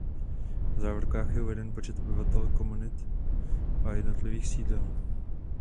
V závorkách je uveden počet obyvatel komunit a jednotlivých sídel.